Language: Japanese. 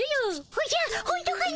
おじゃほんとかの？